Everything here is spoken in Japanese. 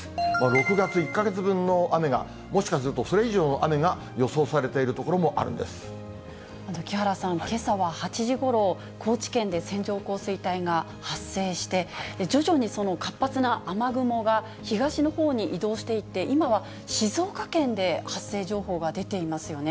６月１か月分の雨が、もしかするとそれ以上の雨が予想されている木原さん、けさは８時ごろ、高知県で線状降水帯が発生して、徐々に活発な雨雲が東のほうに移動していって、今は静岡県で発生情報が出ていますよね。